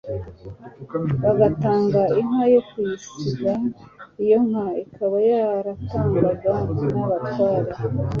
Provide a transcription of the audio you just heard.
bagatanga inka yo kuyisiga, iyo nka ikaba yaratangwaga n'abatware.